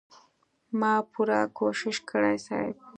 ما پوره کوشش کړی صيب.